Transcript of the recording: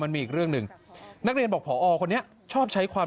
อย่างเกิ้ลเกิ้ลอะไรแบบนี้ใช่มั้ย